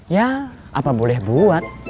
ya apa boleh buat